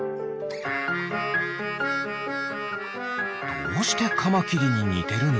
どうしてカマキリににてるの？